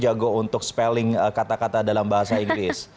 jago untuk spelling kata kata dalam bahasa inggris